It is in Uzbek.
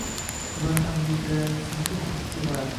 Ular ham elkalarini silkib-silkib yig`lardi